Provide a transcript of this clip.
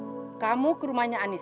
suaranya juga pembahasan pada sendiri